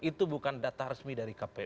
itu bukan data resmi dari kpu